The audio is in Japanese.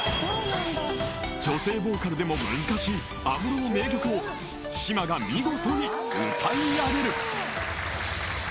［女性ボーカルでも難しい安室の名曲を島が見事に歌い上げる］